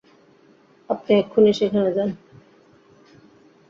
আপনি এক্ষুনি সেখানে যান।